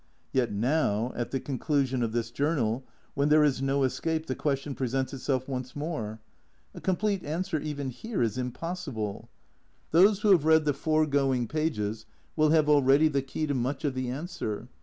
Yet now, at the conclusion of this journal, when there is no escape, the question presents itself once more. A complete answer even here is impossible. Those who have read the foregoing pages will have already the key to much of the answer.